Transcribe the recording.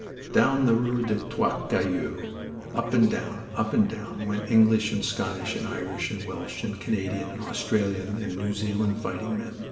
Down the rue des Trois Cailloux, up and down, up and down, went English, and Scottish, and Irish, and Welsh, and Canadian, and Australian, and New Zealand fighting men.